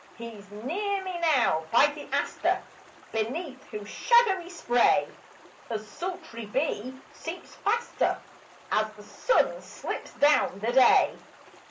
He's near me now by the aster, Beneath whose shadowy spray A sultry bee seeps faster As the sun slips down the day.